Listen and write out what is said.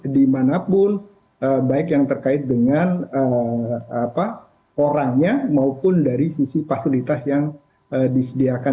dimanapun baik yang terkait dengan orangnya maupun dari sisi fasilitas yang disediakan